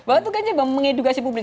waktu kan mengembang edukasi publik